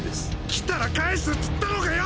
来たら返すっつったろがよ